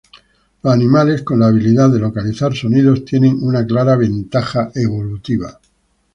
Los animales con la habilidad de localizar sonidos tienen una clara ventaja evolutiva.